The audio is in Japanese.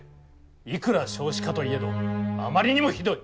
いくら少子化といえどあまりにもひどい！